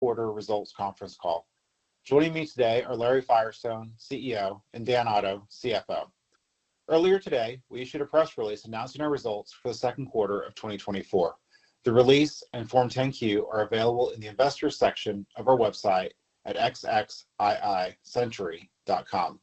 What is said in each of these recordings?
Quarter results conference call. Joining me today are Larry Firestone, CEO, and Dan Otto, CFO. Earlier today, we issued a press release announcing our results for the second quarter of 2024. The release and Form 10-Q are available in the investors section of our website at 22ndcenturygroup.com.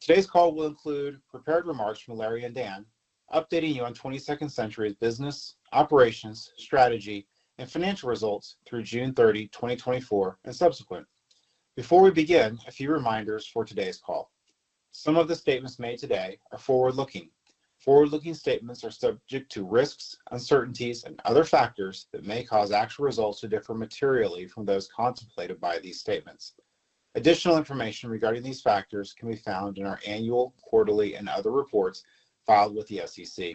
Today's call will include prepared remarks from Larry and Dan, updating you on 22nd Century Group's business, operations, strategy, and financial results through June 30, 2024, and subsequent. Before we begin, a few reminders for today's call. Some of the statements made today are forward-looking. Forward-looking statements are subject to risks, uncertainties, and other factors that may cause actual results to differ materially from those contemplated by these statements. Additional information regarding these factors can be found in our annual, quarterly, and other reports filed with the SEC.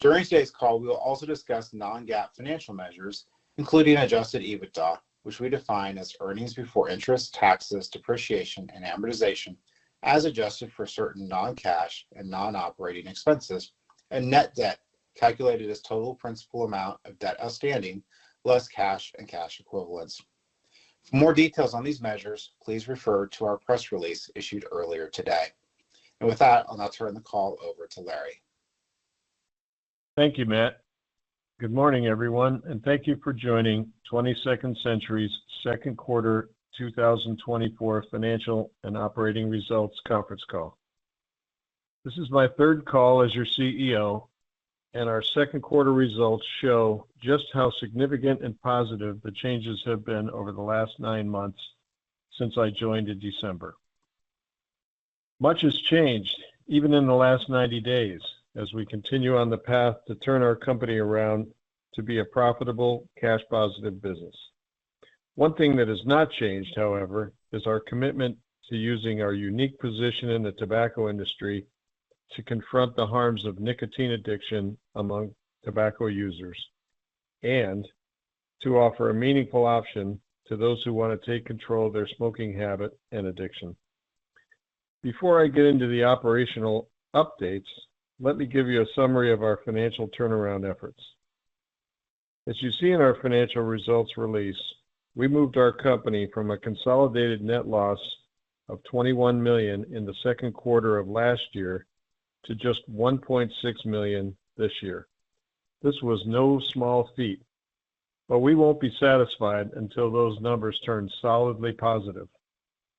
During today's call, we will also discuss non-GAAP financial measures, including Adjusted EBITDA, which we define as earnings before interest, taxes, depreciation, and amortization, as adjusted for certain non-cash and non-operating expenses, and net debt, calculated as total principal amount of debt outstanding, less cash and cash equivalents. For more details on these measures, please refer to our press release issued earlier today. With that, I'll now turn the call over to Larry. Thank you, Matt. Good morning, everyone, and thank you for joining 22nd Century Group's second quarter 2024 financial and operating results conference call. This is my third call as your CEO, and our second quarter results show just how significant and positive the changes have been over the last 9 months since I joined in December. Much has changed, even in the last 90 days, as we continue on the path to turn our company around to be a profitable, cash-positive business. One thing that has not changed, however, is our commitment to using our unique position in the tobacco industry to confront the harms of nicotine addiction among tobacco users, and to offer a meaningful option to those who want to take control of their smoking habit and addiction. Before I get into the operational updates, let me give you a summary of our financial turnaround efforts. As you see in our financial results release, we moved our company from a consolidated net loss of $21 million in the second quarter of last year to just $1.6 million this year. This was no small feat, but we won't be satisfied until those numbers turn solidly positive.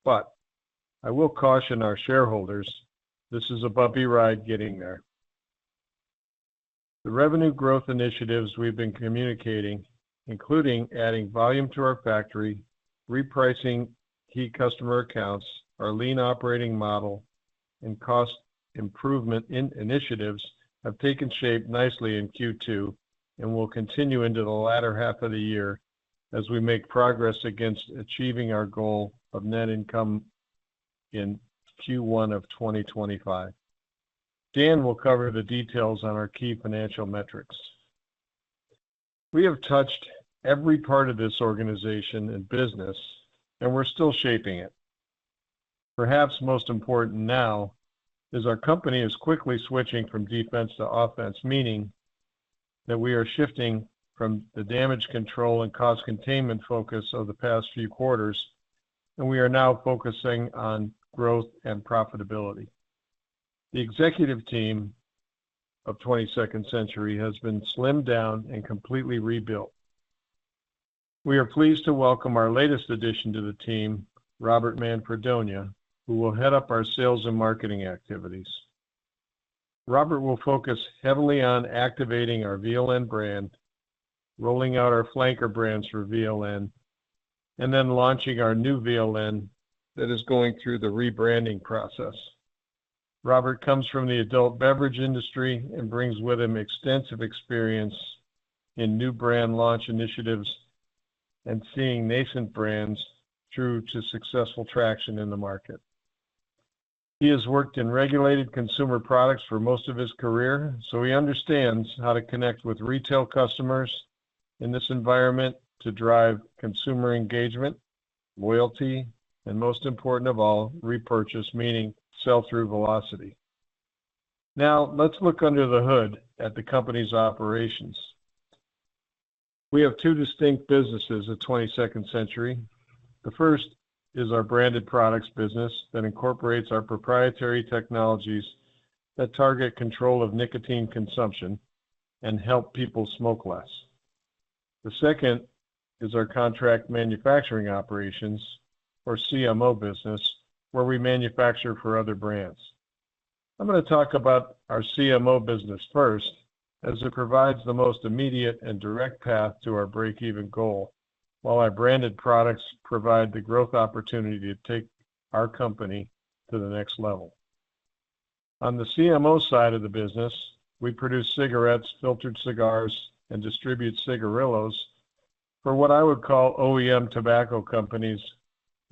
But I will caution our shareholders, this is a bumpy ride getting there. The revenue growth initiatives we've been communicating, including adding volume to our factory, repricing key customer accounts, our lean operating model, and cost improvement in initiatives, have taken shape nicely in Q2 and will continue into the latter half of the year as we make progress against achieving our goal of net income in Q1 of 2025. Dan will cover the details on our key financial metrics. We have touched every part of this organization and business, and we're still shaping it. Perhaps most important now is our company is quickly switching from defense to offense, meaning that we are shifting from the damage control and cost containment focus of the past few quarters, and we are now focusing on growth and profitability. The executive team of 22nd Century Group has been slimmed down and completely rebuilt. We are pleased to welcome our latest addition to the team, Robert Manfredonia, who will head up our sales and marketing activities. Robert will focus heavily on activating our VLN brand, rolling out our flanker brands for VLN, and then launching our new VLN that is going through the rebranding process. Robert comes from the adult beverage industry and brings with him extensive experience in new brand launch initiatives and seeing nascent brands through to successful traction in the market. He has worked in regulated consumer products for most of his career, so he understands how to connect with retail customers in this environment to drive consumer engagement, loyalty, and most important of all, repurchase, meaning sell-through velocity. Now, let's look under the hood at the company's operations. We have two distinct businesses at 22nd Century. The first is our branded products business that incorporates our proprietary technologies that target control of nicotine consumption and help people smoke less. The second is our contract manufacturing operations, or CMO business, where we manufacture for other brands. I'm gonna talk about our CMO business first, as it provides the most immediate and direct path to our breakeven goal, while our branded products provide the growth opportunity to take our company to the next level. On the CMO side of the business, we produce cigarettes, filtered cigars, and distribute cigarillos for what I would call OEM tobacco companies,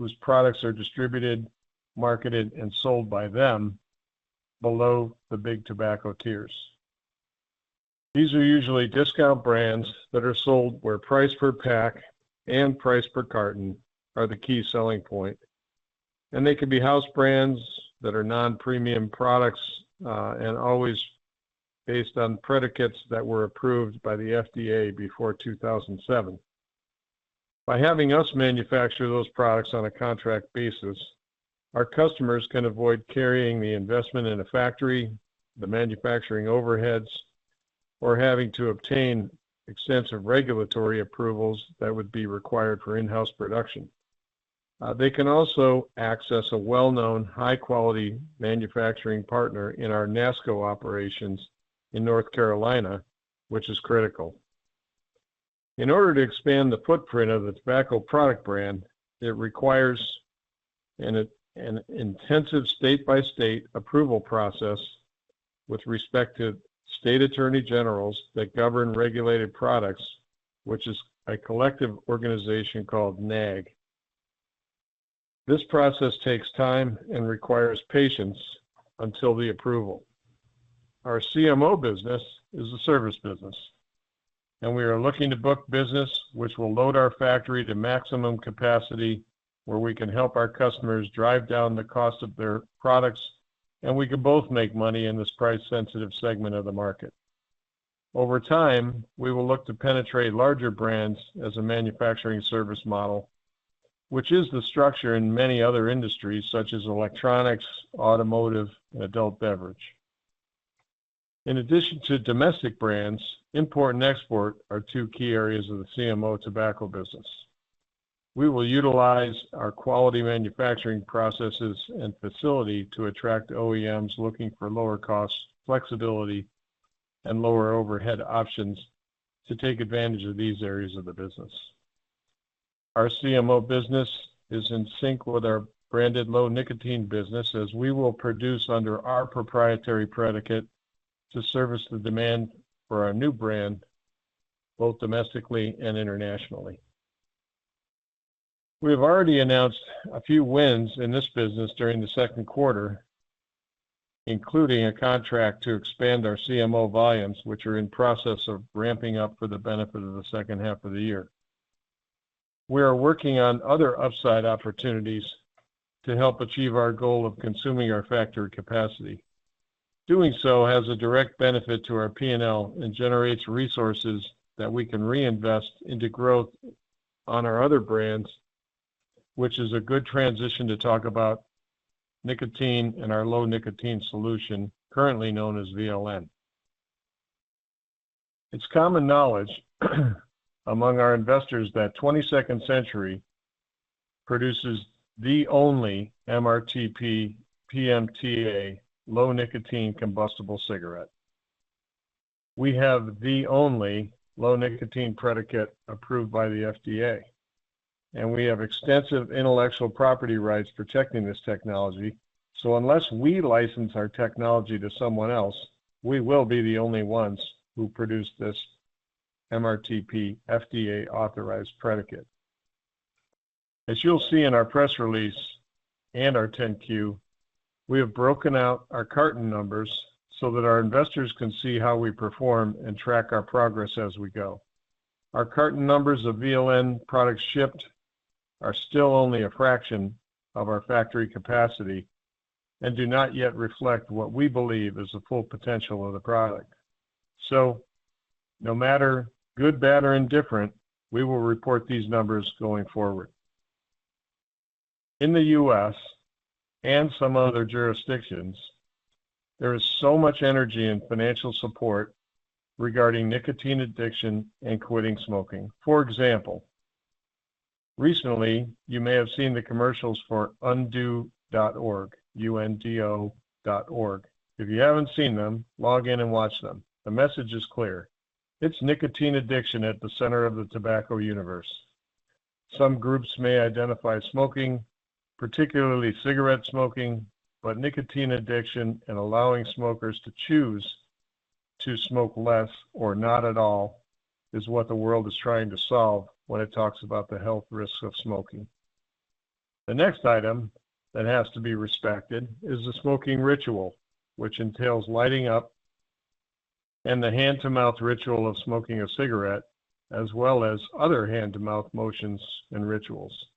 whose products are distributed, marketed, and sold by them below the Big Tobacco tiers. These are usually discount brands that are sold where price per pack and price per carton are the key selling point, and they can be house brands that are non-premium products, and always based on predicates that were approved by the FDA before 2007. By having us manufacture those products on a contract basis, our customers can avoid carrying the investment in a factory, the manufacturing overheads, or having to obtain extensive regulatory approvals that would be required for in-house production. They can also access a well-known, high-quality manufacturing partner in our NASCO operations in North Carolina, which is critical. In order to expand the footprint of the tobacco product brand, it requires an intensive state-by-state approval process with respective state attorneys general that govern regulated products, which is a collective organization called NAG. This process takes time and requires patience until the approval. Our CMO business is a service business, and we are looking to book business, which will load our factory to maximum capacity, where we can help our customers drive down the cost of their products, and we can both make money in this price-sensitive segment of the market. Over time, we will look to penetrate larger brands as a manufacturing service model, which is the structure in many other industries, such as electronics, automotive, and adult beverage. In addition to domestic brands, import and export are two key areas of the CMO tobacco business. We will utilize our quality manufacturing processes and facility to attract OEMs looking for lower costs, flexibility, and lower overhead options to take advantage of these areas of the business. Our CMO business is in sync with our branded low nicotine business, as we will produce under our proprietary predicate to service the demand for our new brand, both domestically and internationally. We have already announced a few wins in this business during the second quarter, including a contract to expand our CMO volumes, which are in process of ramping up for the benefit of the second half of the year. We are working on other upside opportunities to help achieve our goal of consuming our factory capacity. Doing so has a direct benefit to our P&L and generates resources that we can reinvest into growth on our other brands, which is a good transition to talk about nicotine and our low nicotine solution, currently known as VLN. It's common knowledge among our investors that 22nd Century Group produces the only MRTP/PMTA low-nicotine combustible cigarette. We have the only low nicotine predicate approved by the FDA, and we have extensive intellectual property rights protecting this technology. So unless we license our technology to someone else, we will be the only ones who produce this MRTP FDA-authorized predicate. As you'll see in our press release and our 10-Q, we have broken out our carton numbers so that our investors can see how we perform and track our progress as we go. Our carton numbers of VLN products shipped are still only a fraction of our factory capacity and do not yet reflect what we believe is the full potential of the product. So no matter, good, bad, or indifferent, we will report these numbers going forward. In the U.S. and some other jurisdictions, there is so much energy and financial support regarding nicotine addiction and quitting smoking. For example, recently, you may have seen the commercials for UNDO.org, U-N-D-O.org. If you haven't seen them, log in and watch them. The message is clear: It's nicotine addiction at the center of the tobacco universe. Some groups may identify smoking, particularly cigarette smoking, but nicotine addiction and allowing smokers to choose to smoke less or not at all is what the world is trying to solve when it talks about the health risks of smoking. The next item that has to be respected is the smoking ritual, which entails lighting up and the hand-to-mouth ritual of smoking a cigarette, as well as other hand-to-mouth motions and rituals.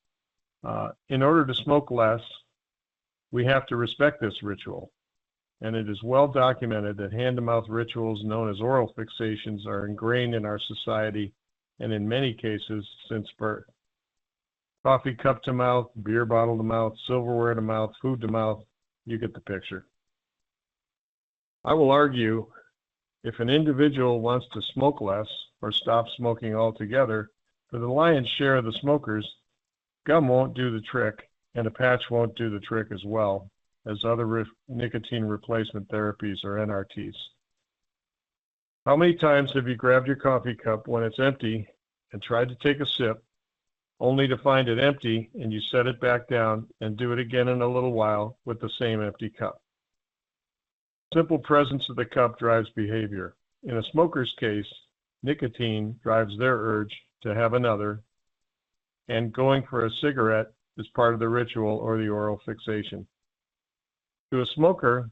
In order to smoke less, we have to respect this ritual, and it is well documented that hand-to-mouth rituals, known as oral fixations, are ingrained in our society and in many cases, since birth. Coffee cup to mouth, beer bottle to mouth, silverware to mouth, food to mouth, you get the picture. I will argue if an individual wants to smoke less or stop smoking altogether, for the lion's share of the smokers, gum won't do the trick, and a patch won't do the trick as well as other nicotine replacement therapies or NRTs. How many times have you grabbed your coffee cup when it's empty and tried to take a sip, only to find it empty, and you set it back down and do it again in a little while with the same empty cup? Simple presence of the cup drives behavior. In a smoker's case, nicotine drives their urge to have another, and going for a cigarette is part of the ritual or the oral fixation. To a smoker,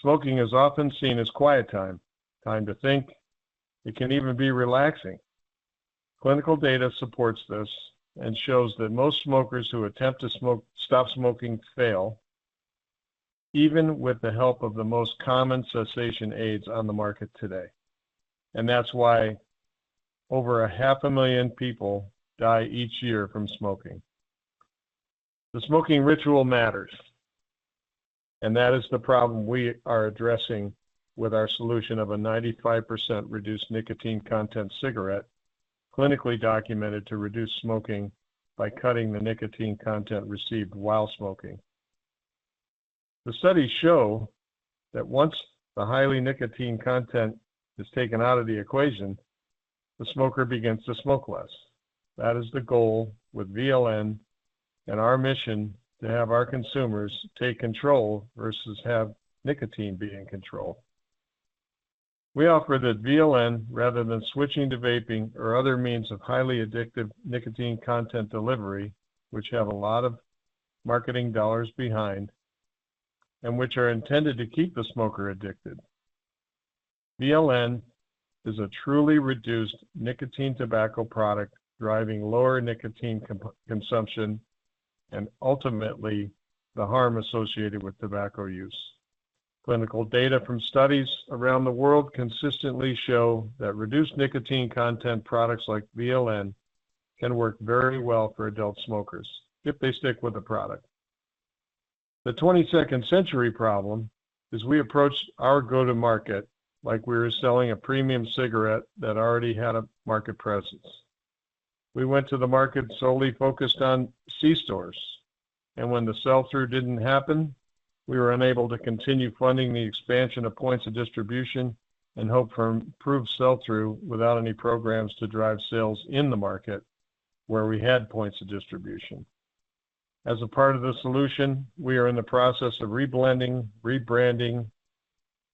smoking is often seen as quiet time, time to think. It can even be relaxing. Clinical data supports this and shows that most smokers who attempt to stop smoking fail, even with the help of the most common cessation aids on the market today. That's why over 500,000 people die each year from smoking. The smoking ritual matters, and that is the problem we are addressing with our solution of a 95% reduced nicotine content cigarette, clinically documented to reduce smoking by cutting the nicotine content received while smoking. The studies show that once the high nicotine content is taken out of the equation, the smoker begins to smoke less. That is the goal with VLN and our mission to have our consumers take control versus have nicotine be in control. We offer that VLN, rather than switching to vaping or other means of highly addictive nicotine content delivery, which have a lot of marketing dollars behind, and which are intended to keep the smoker addicted. VLN is a truly reduced nicotine tobacco product, driving lower nicotine consumption and ultimately the harm associated with tobacco use. Clinical data from studies around the world consistently show that reduced nicotine content products like VLN can work very well for adult smokers if they stick with the product. The 22nd Century problem is we approached our go-to-market like we were selling a premium cigarette that already had a market presence. We went to the market solely focused on C-stores, and when the sell-through didn't happen, we were unable to continue funding the expansion of points of distribution and hope for improved sell-through without any programs to drive sales in the market where we had points of distribution. As a part of the solution, we are in the process of reblending, rebranding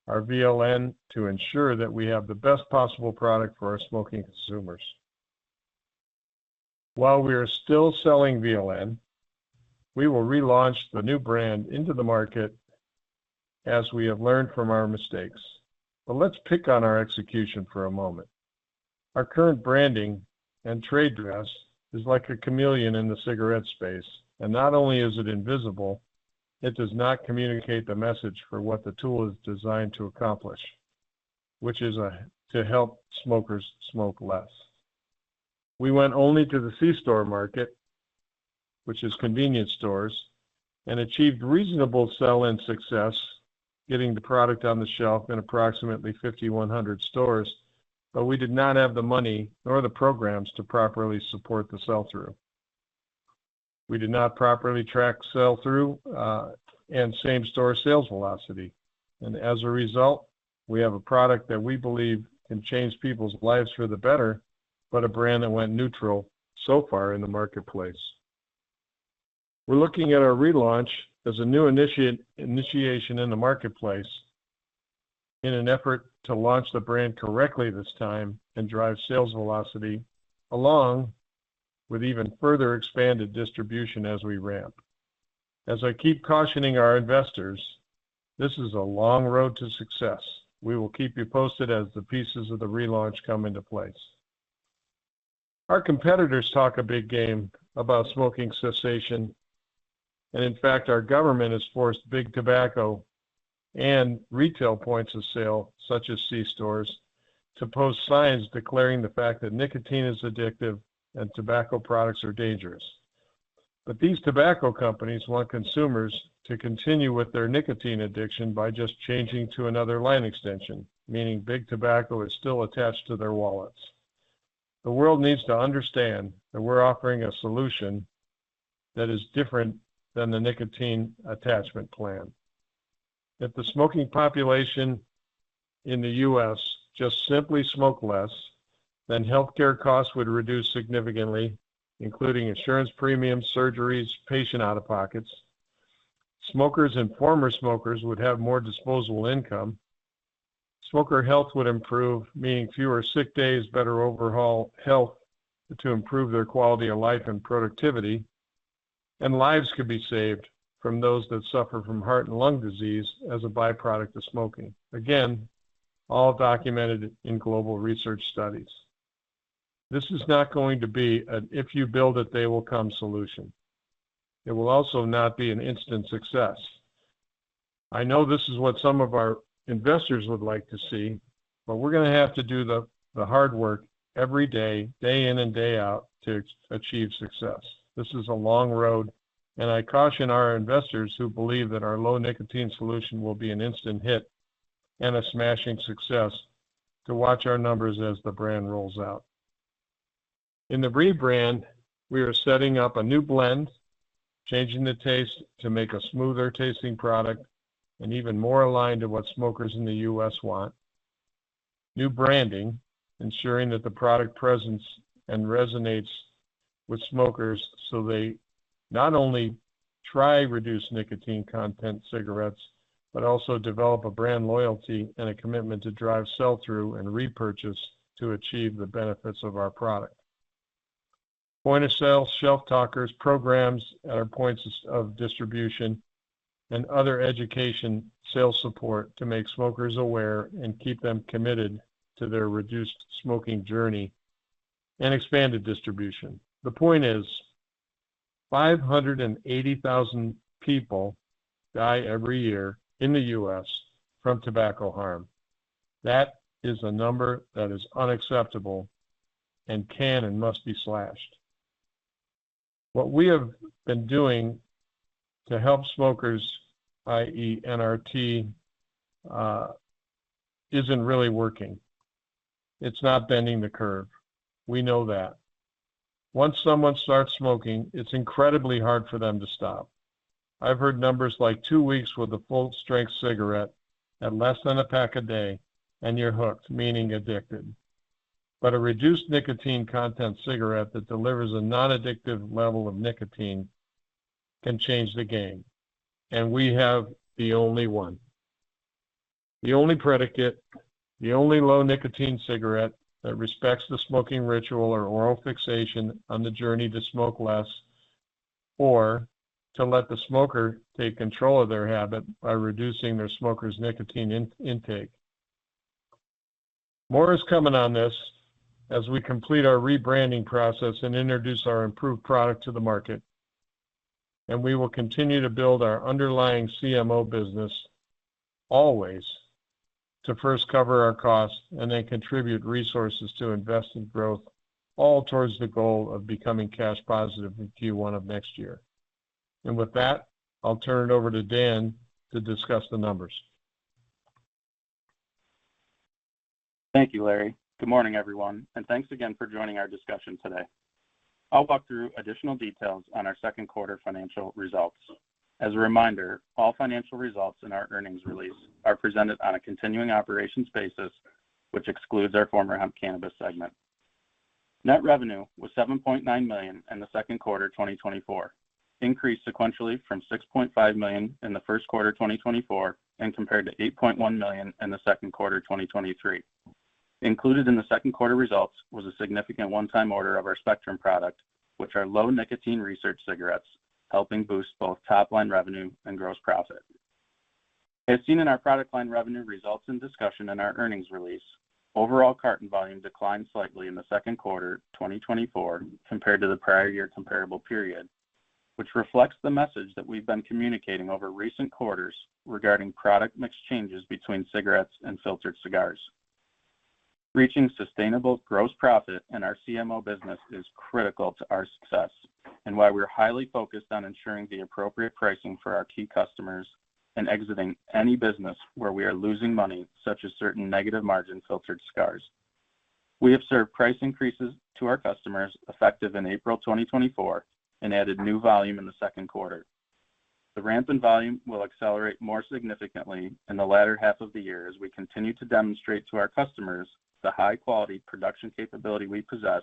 our VLN to ensure that we have the best possible product for our smoking consumers. While we are still selling VLN, we will relaunch the new brand into the market as we have learned from our mistakes. Let's pick on our execution for a moment. Our current branding and trade dress is like a chameleon in the cigarette space, and not only is it invisible, it does not communicate the message for what the tool is designed to accomplish, which is to help smokers smoke less. We went only to the C-store market, which is convenience stores, and achieved reasonable sell-in success, getting the product on the shelf in approximately 5,100 stores, but we did not have the money nor the programs to properly support the sell-through. We did not properly track sell-through and same-store sales velocity, and as a result, we have a product that we believe can change people's lives for the better, but a brand that went neutral so far in the marketplace. We're looking at our relaunch as a new initiation in the marketplace in an effort to launch the brand correctly this time and drive sales velocity, along with even further expanded distribution as we ramp. As I keep cautioning our investors, this is a long road to success. We will keep you posted as the pieces of the relaunch come into place. Our competitors talk a big game about smoking cessation, and in fact, our government has forced Big Tobacco and retail points of sale, such as C-stores, to post signs declaring the fact that nicotine is addictive and tobacco products are dangerous. But these tobacco companies want consumers to continue with their nicotine addiction by just changing to another line extension, meaning Big Tobacco is still attached to their wallets. The world needs to understand that we're offering a solution that is different than the nicotine attachment plan. If the smoking population in the U.S. just simply smoke less, then healthcare costs would reduce significantly, including insurance premiums, surgeries, patient out-of-pockets. Smokers and former smokers would have more disposable income. Smokers' health would improve, meaning fewer sick days, better overall health, to improve their quality of life and productivity. And lives could be saved from those that suffer from heart and lung disease as a byproduct of smoking. Again, all documented in global research studies. This is not going to be an "if you build it, they will come" solution. It will also not be an instant success. I know this is what some of our investors would like to see, but we're gonna have to do the hard work every day, day in and day out, to achieve success. This is a long road, and I caution our investors who believe that our low-nicotine solution will be an instant hit and a smashing success to watch our numbers as the brand rolls out. In the rebrand, we are setting up a new blend, changing the taste to make a smoother-tasting product and even more aligned to what smokers in the U.S. want. New branding, ensuring that the product presence and resonates with smokers so they not only try reduced nicotine content cigarettes, but also develop a brand loyalty and a commitment to drive sell-through and repurchase to achieve the benefits of our product. Point-of-sale, shelf talkers, programs at our points of distribution, and other education sales support to make smokers aware and keep them committed to their reduced smoking journey and expanded distribution. The point is, 580,000 people die every year in the U.S. from tobacco harm. That is a number that is unacceptable and can and must be slashed. What we have been doing to help smokers, i.e., NRT, isn't really working. It's not bending the curve. We know that. Once someone starts smoking, it's incredibly hard for them to stop. I've heard numbers like two weeks with a full-strength cigarette at less than a pack a day, and you're hooked, meaning addicted. But a reduced nicotine content cigarette that delivers a non-addictive level of nicotine can change the game, and we have the only one. The only predicate, the only low nicotine cigarette that respects the smoking ritual or oral fixation on the journey to smoke less, or to let the smoker take control of their habit by reducing their smoker's nicotine intake. More is coming on this as we complete our rebranding process and introduce our improved product to the market, and we will continue to build our underlying CMO business always to first cover our costs and then contribute resources to invest in growth, all towards the goal of becoming cash positive in Q1 of next year. With that, I'll turn it over to Dan to discuss the numbers. Thank you, Larry. Good morning, everyone, and thanks again for joining our discussion today. I'll walk through additional details on our second quarter financial results. As a reminder, all financial results in our earnings release are presented on a continuing operations basis, which excludes our former hemp cannabis segment. Net revenue was $7.9 million in the second quarter, 2024, increased sequentially from $6.5 million in the first quarter, 2024, and compared to $8.1 million in the second quarter, 2023. Included in the second quarter results was a significant one-time order of our Spectrum product, which are low nicotine research cigarettes, helping boost both top-line revenue and gross profit. As seen in our product line revenue results and discussion in our earnings release, overall carton volume declined slightly in the second quarter, 2024, compared to the prior year comparable period, which reflects the message that we've been communicating over recent quarters regarding product mix changes between cigarettes and filtered cigars. Reaching sustainable gross profit in our CMO business is critical to our success and why we're highly focused on ensuring the appropriate pricing for our key customers and exiting any business where we are losing money, such as certain negative margin filtered cigars. We have served price increases to our customers effective in April 2024 and added new volume in the second quarter. The ramp in volume will accelerate more significantly in the latter half of the year as we continue to demonstrate to our customers the high-quality production capability we possess,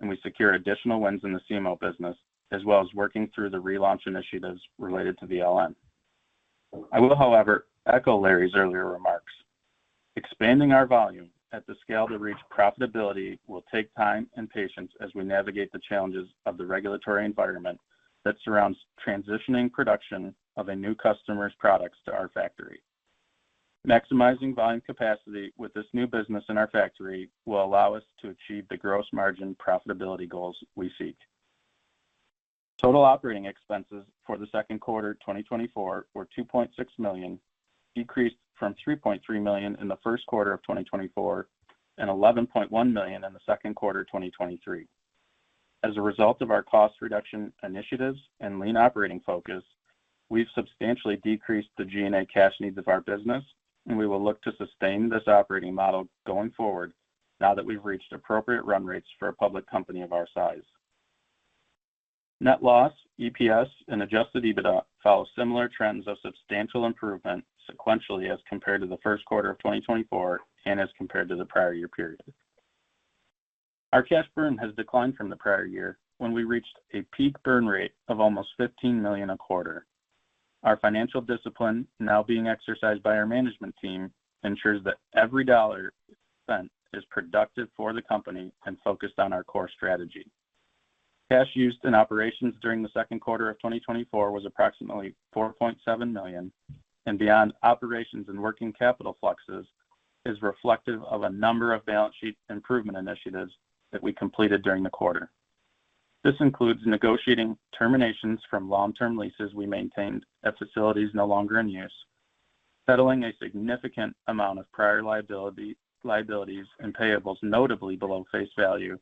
and we secure additional wins in the CMO business, as well as working through the relaunch initiatives related to VLN. I will, however, echo Larry's earlier remarks. Expanding our volume at the scale to reach profitability will take time and patience as we navigate the challenges of the regulatory environment that surrounds transitioning production of a new customer's products to our factory. Maximizing volume capacity with this new business in our factory will allow us to achieve the gross margin profitability goals we seek. Total operating expenses for the second quarter 2024 were $2.6 million, decreased from $3.3 million in the first quarter of 2024 and $11.1 million in the second quarter 2023. As a result of our cost reduction initiatives and lean operating focus, we've substantially decreased the G&A cash needs of our business, and we will look to sustain this operating model going forward now that we've reached appropriate run rates for a public company of our size. Net loss, EPS, and Adjusted EBITDA follow similar trends of substantial improvement sequentially as compared to the first quarter of 2024 and as compared to the prior year period. Our cash burn has declined from the prior year, when we reached a peak burn rate of almost $15 million a quarter. Our financial discipline, now being exercised by our management team, ensures that every dollar spent is productive for the company and focused on our core strategy. Cash used in operations during the second quarter of 2024 was approximately $4.7 million, and beyond operations and working capital fluxes, is reflective of a number of balance sheet improvement initiatives that we completed during the quarter. This includes negotiating terminations from long-term leases we maintained at facilities no longer in use, settling a significant amount of prior liability, liabilities and payables, notably below face value,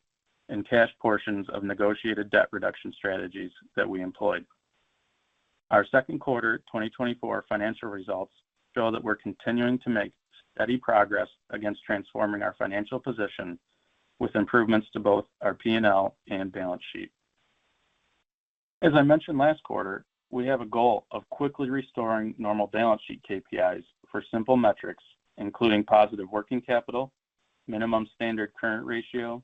and cash portions of negotiated debt reduction strategies that we employed. Our second quarter, 2024 financial results show that we're continuing to make steady progress against transforming our financial position with improvements to both our P&L and balance sheet. As I mentioned last quarter, we have a goal of quickly restoring normal balance sheet KPIs for simple metrics, including positive working capital, minimum standard current ratio,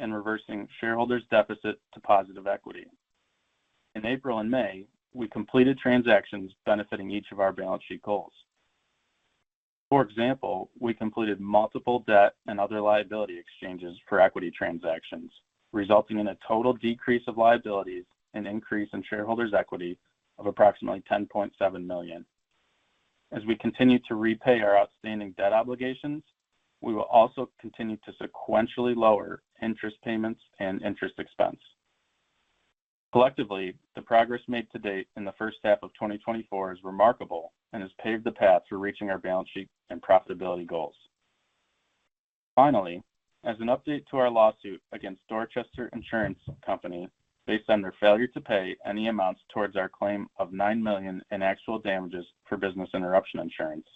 and reversing shareholders' deficit to positive equity. In April and May, we completed transactions benefiting each of our balance sheet goals. For example, we completed multiple debt and other liability exchanges for equity transactions, resulting in a total decrease of liabilities and increase in shareholders' equity of approximately $10.7 million. As we continue to repay our outstanding debt obligations, we will also continue to sequentially lower interest payments and interest expense. Collectively, the progress made to date in the first half of 2024 is remarkable and has paved the path for reaching our balance sheet and profitability goals. Finally, as an update to our lawsuit against Dorchester Insurance Company based on their failure to pay any amounts towards our claim of $9 million in actual damages for business interruption insurance.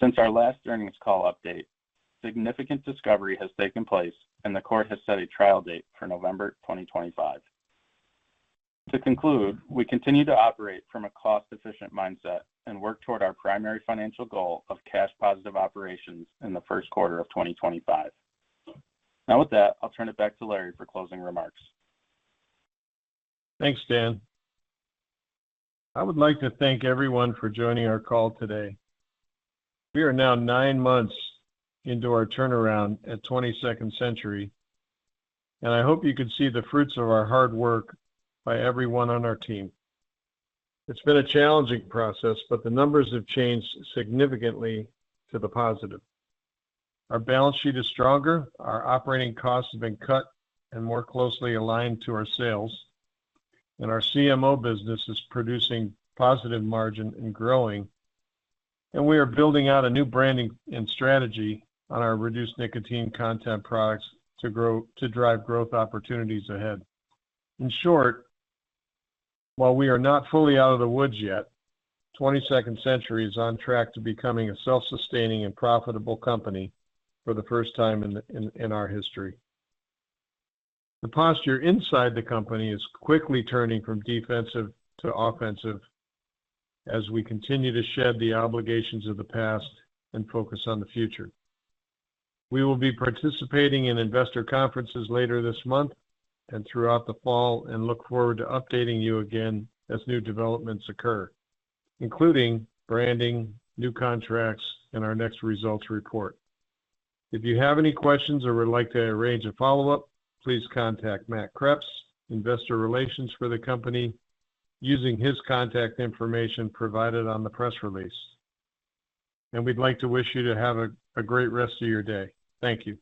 Since our last earnings call update, significant discovery has taken place, and the court has set a trial date for November 2025. To conclude, we continue to operate from a cost-efficient mindset and work toward our primary financial goal of cash-positive operations in the first quarter of 2025. Now, with that, I'll turn it back to Larry for closing remarks. Thanks, Dan. I would like to thank everyone for joining our call today. We are now nine months into our turnaround at 22nd Century, and I hope you can see the fruits of our hard work by everyone on our team. It's been a challenging process, but the numbers have changed significantly to the positive. Our balance sheet is stronger, our operating costs have been cut and more closely aligned to our sales, and our CMO business is producing positive margin and growing. And we are building out a new branding and strategy on our reduced nicotine content products to grow - to drive growth opportunities ahead. In short, while we are not fully out of the woods yet, 22nd Century is on track to becoming a self-sustaining and profitable company for the first time in our history. The posture inside the company is quickly turning from defensive to offensive as we continue to shed the obligations of the past and focus on the future. We will be participating in investor conferences later this month and throughout the fall, and look forward to updating you again as new developments occur, including branding, new contracts, and our next results report. If you have any questions or would like to arrange a follow-up, please contact Matt Kreps, investor relations for the company, using his contact information provided on the press release. And we'd like to wish you to have a great rest of your day. Thank you.